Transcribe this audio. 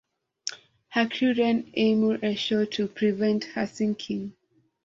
Her crew ran "Emu" ashore to prevent her sinking.